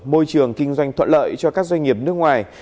môi trường kinh doanh thuận lợi cho các doanh nghiệp nước ngoài